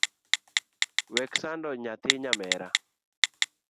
Wek sando nyathi nyamera.